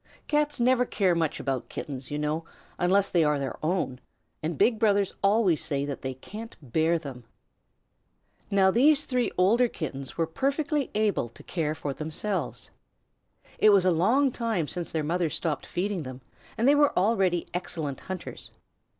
Cats never care much about Kittens, you know, unless they are their own, and big brothers always say that they can't bear them. Now these three older Kittens were perfectly able to care for themselves. It was a long time since their mother stopped feeding them, and they were already excellent hunters.